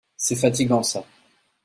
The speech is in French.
C'est fatigant ça.